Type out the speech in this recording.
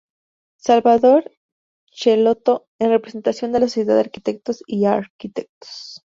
Salvador Schelotto en representación de la Sociedad de Arquitectos y Arq.